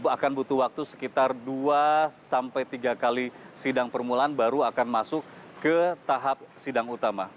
akan butuh waktu sekitar dua sampai tiga kali sidang permulaan baru akan masuk ke tahap sidang utama